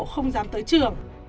không dám tới trường